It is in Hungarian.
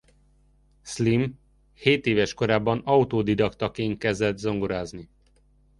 Slim hétéves korában autodidaktaként kezdett zongorázni.